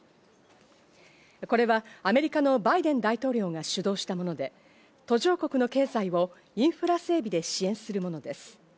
これはアメリカのバイデン大統領が主導したもので、途上国の経済をインフラ整備で支援するものです。